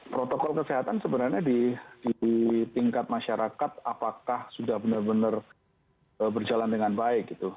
protokol kesehatan sebenarnya di tingkat masyarakat apakah sudah benar benar berjalan dengan baik gitu